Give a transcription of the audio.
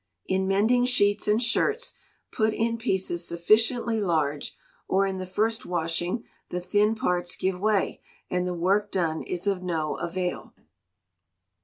In mending sheets and shirts, put in pieces sufficiently large, or in the first washing the thin parts give way, and the work done is of no avail.